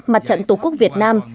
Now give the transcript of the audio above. mặt trận tổ quốc việt nam